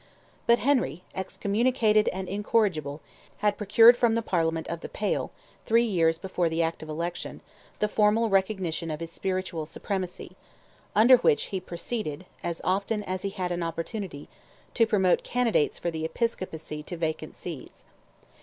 But Henry, excommunicated and incorrigible, had procured from the Parliament of "the Pale," three years before the Act of Election, the formal recognition of his spiritual supremacy, under which he proceeded, as often as he had an opportunity, to promote candidates for the episcopacy to vacant sees.